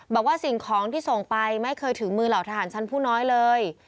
บอกว่าสิ่งของที่ส่งไปไม่เคยถึงมือเหล่าทหารชั้นผู้น้อยเลย